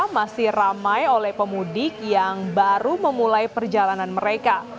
masih ramai oleh pemudik yang baru memulai perjalanan mereka